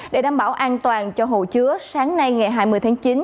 để đảm bảo an toàn cho hồ chứa sáng nay ngày hai mươi tháng chín